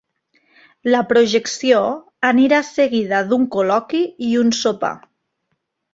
La projecció anirà seguida d’un col·loqui i un sopar.